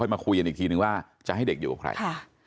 มาคุยกันอีกทีนึงว่าจะให้เด็กอยู่กับใคร